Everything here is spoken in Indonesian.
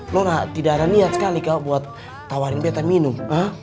rona tidak ada niat sekali kak buat tawarin bete minum